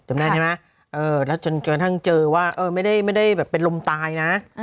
จำได้ใช่ไหมแล้วจนกระทั่งเจอว่าไม่ได้แบบเป็นลมตายนะ